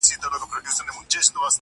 ما در وبخښل لس كاله نعمتونه؛